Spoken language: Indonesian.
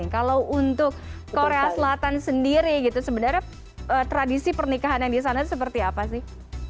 kalau untuk korea selatan sendiri gitu sebenarnya tradisi pernikahan yang di sana seperti apa sih